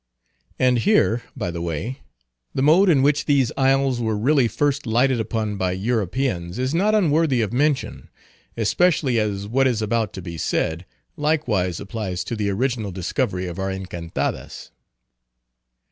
And here, by the way, the mode in which these isles were really first lighted upon by Europeans is not unworthy of mention, especially as what is about to be said, likewise applies to the original discovery of our Encantadas.